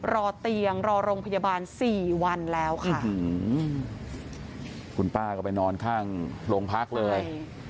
รอเตียงรอโรงพยาบาลสี่วันแล้วค่ะคุณป้าก็ไปนอนข้างโรงพักเลย